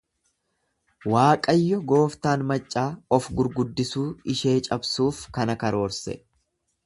Waaqayyo gooftaan maccaa of-gurguddisuu ishee cabsuuf kana karoorse.